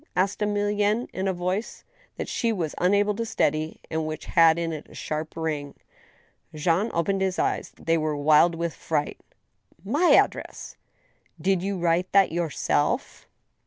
asked Emilienne, in a voice that she was unable to steady, and which had in it a sharp ring. Jean opened his eyes ; they were wild with fright. "My address!" " Did you write that yourself?